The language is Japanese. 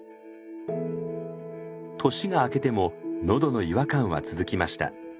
年があけてものどの違和感は続きました。